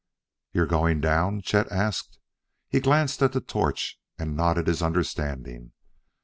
"You're going down?" Chet asked. He glanced at the torch and nodded his understanding.